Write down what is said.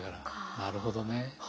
なるほどね。